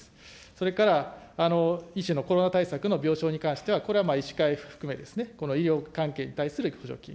それから一種のコロナ対策の病床に関してはこれは医師会含め、医療関係に対する補助金。